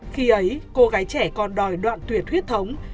khi ấy cô gái trẻ còn đòi đoạn tuyệt huyết thống